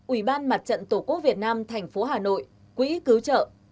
ủy ban mặt trận tổ quốc việt nam tp hà nội quỹ cứu trợ